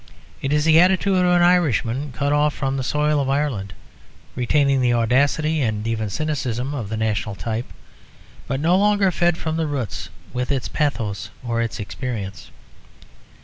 It is the attitude of an Irishman cut off from the soil of Ireland, retaining the audacity and even cynicism of the national type, but no longer fed from the roots with its pathos or its experience.